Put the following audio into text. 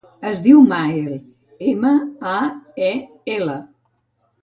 Es diu Mael: ema, a, e, ela.